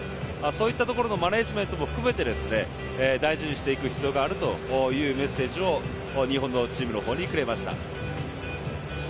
そういったところのマネージメントも含めて大事にしていく必要があるというメッセージを日本のチームにくれました。